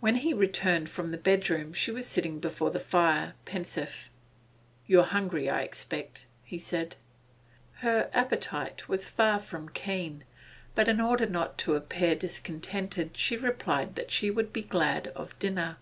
When he returned from the bedroom she was sitting before the fire, pensive. 'You're hungry, I expect?' he said. Her appetite was far from keen, but in order not to appear discontented she replied that she would be glad of dinner.